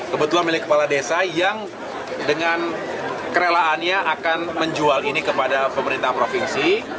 kebetulan milik kepala desa yang dengan kerelaannya akan menjual ini kepada pemerintah provinsi